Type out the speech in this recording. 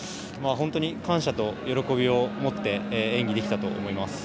本当に感謝と喜びをもって演技できたと思います。